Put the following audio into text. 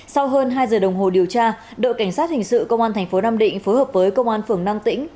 sau hơn hai giờ đồng hồ điều tra đội cảnh sát hình sự công an thành phố nam định phối hợp với công an phường năng tĩnh